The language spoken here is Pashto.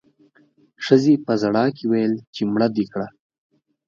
ښځې په ژړا کې وويل چې مړه دې کړه